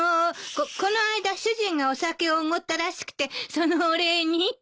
こっこの間主人がお酒をおごったらしくてそのお礼にって。